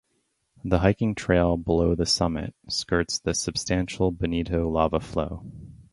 The hiking trail below the summit skirts the substantial Bonito Lava Flow.